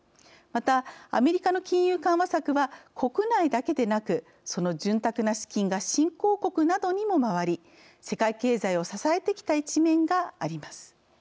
またアメリカの金融緩和策は国内だけでなくその潤沢な資金が新興国などにも回り世界経済を支えてきた一面があります。